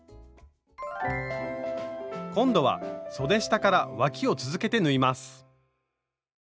今度はそで下からわきを続けて縫います。